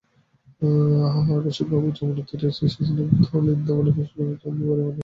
আহাহা রসিকবাবু, যমুনাতীরে সেই স্নিগ্ধ অলিন্দওয়ালা কুঞ্জকুটিরটি আমার ভারি মনে লেগে গেছে।